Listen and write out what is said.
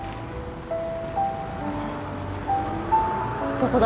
どこだ？